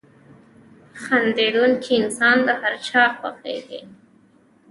• خندېدونکی انسان د هر چا خوښېږي.